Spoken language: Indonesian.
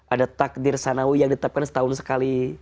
ada takdir sanawi yang ditetapkan setahun sekali